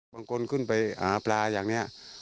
บางคนขึ้นไปหาปลาอย่างนี้